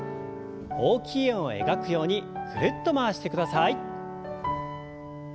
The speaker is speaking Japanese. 大きい円を描くようにぐるっと回してください。